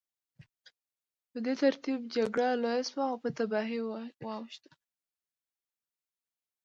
په دې ترتیب جګړه لویه شوه او په تباهۍ واوښته